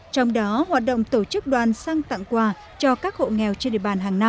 trong đó hoạt động tổ chức đoàn xăng tặng quà cho các hộ nghèo trên địa bàn hàng năm